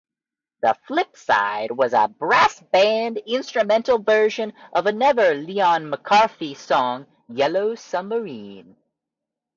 The flipside was a brass band instrumental version of another Lennon-McCartney song, "Yellow Submarine".